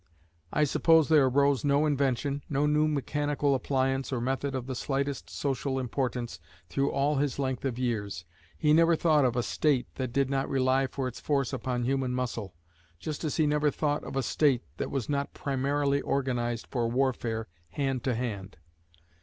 I suppose there arose no invention, no new mechanical appliance or method of the slightest social importance through all his length of years. He never thought of a State that did not rely for its force upon human muscle, just as he never thought of a State that was not primarily organised for warfare hand to hand.